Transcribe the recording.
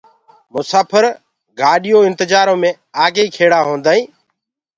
مساڦر گآڏِيو انتجآرو مي آگيئيٚ کيڙآ هونٚدآئينٚ